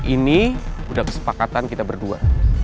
ini sudah kesepakatan kita berdua